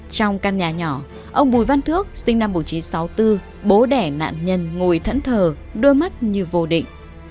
trong căn nhà nhỏ ông bùi văn thước sinh năm một nghìn chín trăm sáu mươi bốn bố đẻ nạn nhân ngồi thẫn thờ đôi mắt như vô định